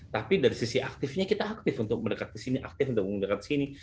tapi dari sisi aktifnya kita aktif untuk mendekat ke sini aktif untuk mendekat sini